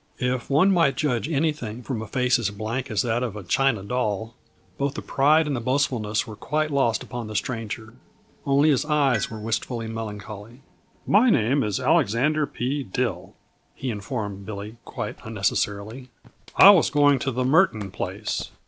If one might judge anything from a face as blank as that of a china doll, both the pride and the boastfulness were quite lost upon the stranger. Only his eyes were wistfully melancholy. "My name is Alexander P. Dill," he informed Billy quite unnecessarily. "I was going to the Murton place.